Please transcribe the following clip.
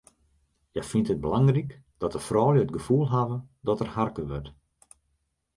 Hja fynt it belangryk dat de froulju it gefoel hawwe dat der harke wurdt.